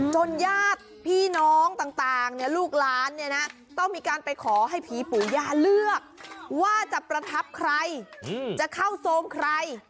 จนญาติพี่น้องต่างลูกหลานต้องมีการไปขอให้ผีปูยาเลือกว่าจะประทับใครจะเข้าทรงใคร